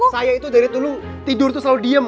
saya itu dari dulu tidur itu selalu diem